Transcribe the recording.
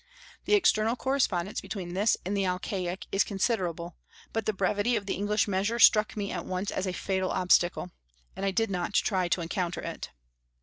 The external correspondence between this and the Alcaic is considerable; but the brevity of the English measure struck me at once as a fatal obstacle, and I did not try to encounter it.